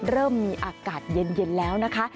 เริ่มมีอากาศเย็นแล้วนะคะ